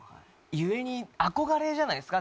故に憧れじゃないですか？